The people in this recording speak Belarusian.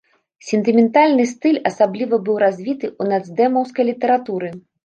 Сентыментальны стыль асабліва быў развіты ў нацдэмаўскай літаратуры.